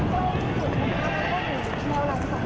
เพราะตอนนี้ก็ไม่มีเวลาให้เข้าไปที่นี่